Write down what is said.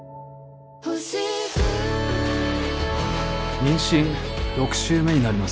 妊娠６週目になります。